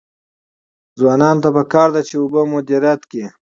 ځوانانو ته پکار ده چې، اوبه مدیریت کړي.